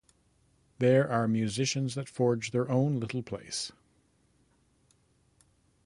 There are musicians that forge their own little place.